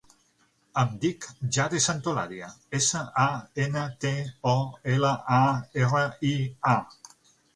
Em dic Jade Santolaria: essa, a, ena, te, o, ela, a, erra, i, a.